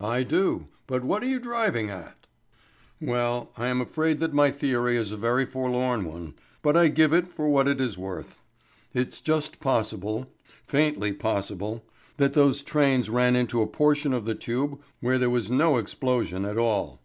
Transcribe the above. "I do. But what are you driving at?" "Well, I am afraid that my theory is a very forlorn one, but I give it for what it is worth. It's just possible, faintly possible, that those trains ran into a portion of the tube where there was no explosion at all.